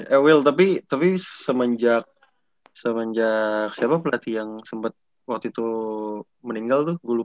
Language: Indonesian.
eh wil tapi semenjak siapa pelatih yang sempet waktu itu meninggal tuh